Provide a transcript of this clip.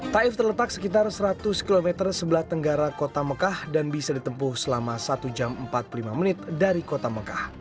taif terletak sekitar seratus km sebelah tenggara kota mekah dan bisa ditempuh selama satu jam empat puluh lima menit dari kota mekah